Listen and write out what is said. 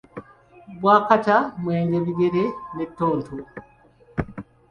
Bbwakata, mwenge bigere ne ttonto.